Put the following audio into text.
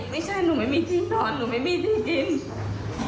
ไม่ใช่หนูไม่มีที่นอนหนูไม่มีที่ดิน